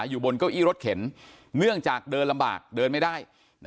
อยู่บนเก้าอี้รถเข็นเนื่องจากเดินลำบากเดินไม่ได้